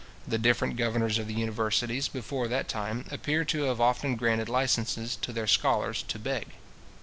The different governors of the universities, before that time, appear to have often granted licences to their scholars to beg.